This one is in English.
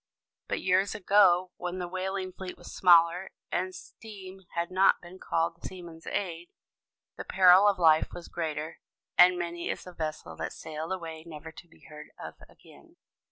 But years ago, when the whaling fleet was smaller, and steam had not been called to the seaman's aid, the peril of life was greater; and many is the vessel that sailed away never to be heard of again.